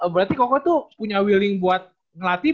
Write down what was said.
berarti koko tuh punya will in buat ngelatih